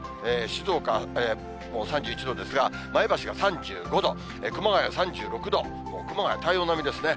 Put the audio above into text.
静岡も３１度ですが、前橋が３５度、熊谷３６度、熊谷、体温並みですね。